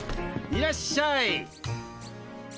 いらっしゃい。